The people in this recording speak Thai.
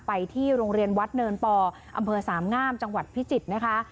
ไปที่โรงเรียนวัดเนินปออำเภอสามงามจังหวัดพิจิตรนะคะ